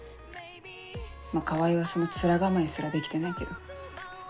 まぁ川合はその面構えすらできてないけど。